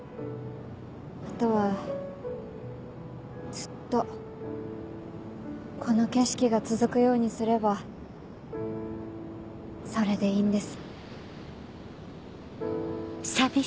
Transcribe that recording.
あとはずっとこの景色が続くようにすればそれでいいんです。